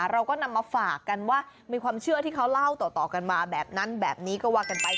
เราก็นำมาฝากกันว่ามีความเชื่อที่เขาเล่าต่อกันมาแบบนั้นแบบนี้ก็ว่ากันไป